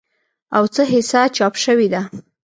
او څه حصه چاپ شوې ده